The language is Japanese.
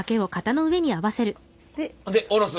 で下ろす？